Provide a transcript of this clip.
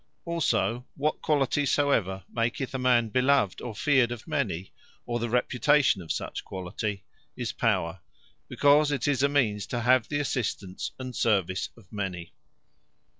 Also, what quality soever maketh a man beloved, or feared of many; or the reputation of such quality, is Power; because it is a means to have the assistance, and service of many.